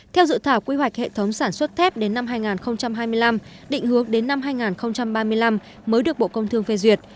theo dự thảo quy hoạch hệ thống sản xuất thép đến năm hai nghìn hai mươi năm định hướng đến năm hai nghìn ba mươi năm mới được bộ công thương phê duyệt